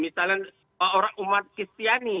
misalnya umat kristiani